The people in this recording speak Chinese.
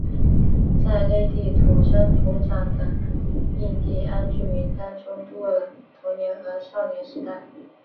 在内地土生土长的印第安居民当中度过了童年和少年时代。